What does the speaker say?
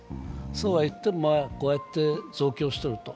そうはいっても、こうやって増強していると。